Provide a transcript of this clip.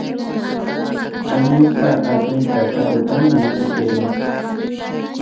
Añashpa asnayka karutami mutkirin